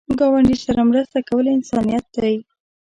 ګاونډي سره مرسته کول انسانیت دی